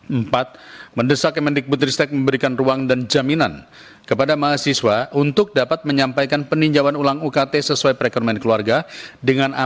empat mendesak kementerian kementerian kementerian tristek ri memberikan ruang dan jaminan kepada mahasiswa untuk dapat menyampaikan peninjauan ulang ukt sesuai perekonomian keluarga mahasiswa